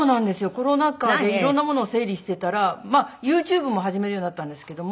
コロナ禍で色んなものを整理してたらＹｏｕＴｕｂｅも始めるようになったんですけども。